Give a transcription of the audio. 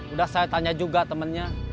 udah saya tanya juga temennya